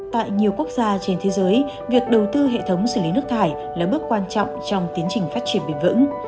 tại nhiều quốc gia trên thế giới việc đầu tư hệ thống xử lý nước thải là bước quan trọng trong tiến trình phát triển bền vững